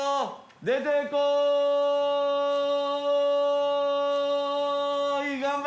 出てこい頑張れ。